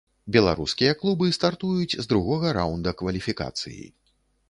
Беларускія клубы стартуюць з другога раўнда кваліфікацыі.